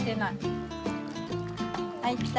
はいった。